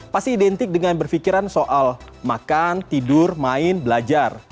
pasti identik dengan berpikiran soal makan tidur main belajar